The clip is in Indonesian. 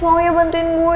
mau ya bantuin gue